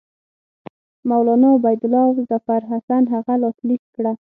مولنا عبیدالله او ظفرحسن هغه لاسلیک کړه.